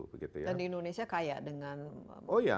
dan di indonesia kaya dengan mineral mineral